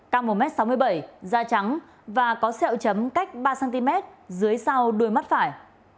cao một m sáu mươi bảy da trắng và có sẹo chấm cách ba cm dưới sau đuôi mắt phải